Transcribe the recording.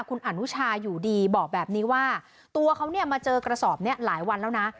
คุณอนุชาอยู่ดีบอกแบบนี้ว่าตัวเขาเนี่ยมาเจอกระสอบนี้หลายวันแล้วนะ